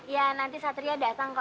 ya nanti satria datang kok